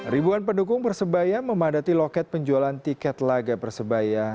ribuan pendukung persebaya memadati loket penjualan tiket laga persebaya